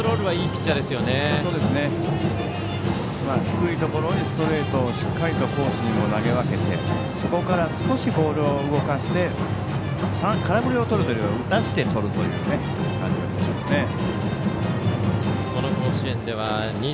低いところにストレートをしっかりコースにも投げ分けてそこから少しボールを動かして空振りをとるというよりは打たせてとるという感じのピッチャーですね。